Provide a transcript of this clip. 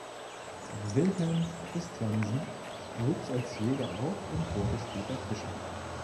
Vilhelm Christiansen wuchs als Jäger auf und wurde später Fischer.